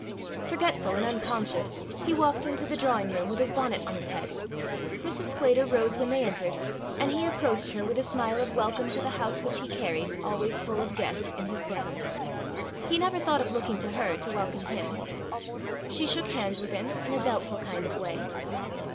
Forgetful and unconscious, he walked into the drawing room with his bonnet on his head. Mrs. Sclater rose when they entered, and he approached her with a smile of welcome to the house which he carried, always full of guests, in his bosom. He never thought of looking to her to welcome him. She shook hands with him in a doubtful kind of way.